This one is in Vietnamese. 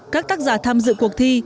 các tác giả tham dự cuộc thi